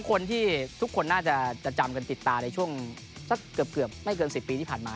คนที่ทุกคนน่าจะจำกันติดตาในช่วงสักเกือบไม่เกิน๑๐ปีที่ผ่านมา